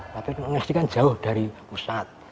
tapi amnesti kan jauh dari pusat